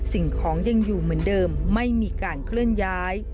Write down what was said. สิ่งของยังอยู่เหมือนเดิมไม่มีการเคลื่อนย้าย